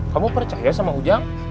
kamu percaya sama ujang